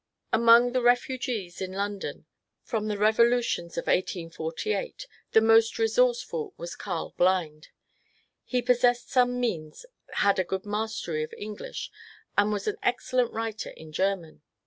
Among the refugees in London from the revolutions of 1848 the most resourceful was Karl Blind. He possessed some means, had a good mastery of English, and was an ex cellent writer in German.